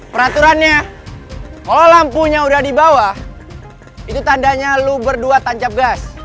peraturannya kalau lampunya udah di bawah itu tandanya lu berdua tancap gas